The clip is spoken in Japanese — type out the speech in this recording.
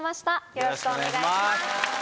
よろしくお願いします。